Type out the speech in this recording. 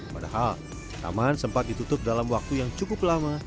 padahal taman sempat ditutup dalam waktu yang cukup lama